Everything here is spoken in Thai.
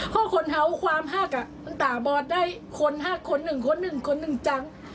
เพราะคนเห่าความหักตั้งแต่บอดได้คน๕คนหนึ่งคนหนึ่งคนหนึ่งจัง